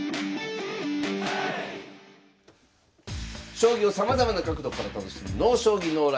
将棋をさまざまな角度から楽しむ「ＮＯ将棋ＮＯＬＩＦＥ」